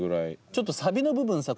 ちょっとサビの部分さ